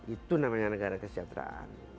itu namanya negara kesejahteraan